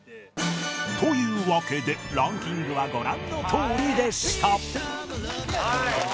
というわけでランキングはご覧のとおりでした